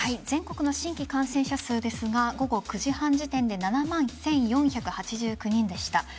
全国の新規感染者数ですが午後９時半時点で７万１４８９人でした。